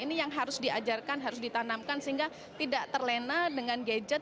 ini yang harus diajarkan harus ditanamkan sehingga tidak terlena dengan gadget